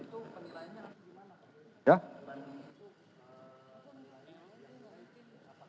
pemilainya apa pertama